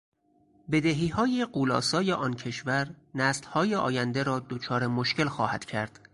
بدهیهای غولآسایآن کشور نسلهای آینده را دچار مشکل خواهد کرد.